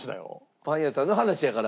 パン屋さんの話やから？